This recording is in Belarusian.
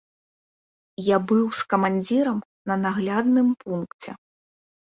Я быў з камандзірам на наглядным пункце.